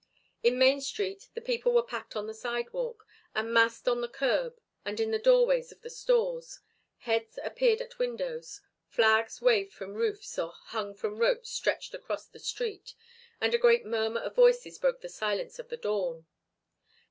In Main Street the people were packed on the sidewalk, and massed on the curb and in the doorways of the stores. Heads appeared at windows, flags waved from roofs or hung from ropes stretched across the street, and a great murmur of voices broke the silence of the dawn.